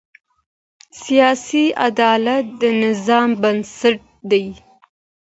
سیاسي عدالت د نظام بنسټ دی